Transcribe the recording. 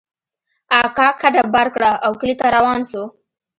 اکا کډه بار کړه او کلي ته روان سو.